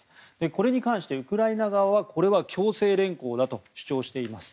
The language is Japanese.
これに関して、ウクライナ側はこれは強制連行だと主張しています。